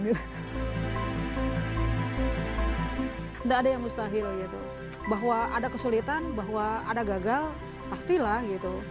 tidak ada yang mustahil gitu bahwa ada kesulitan bahwa ada gagal pastilah gitu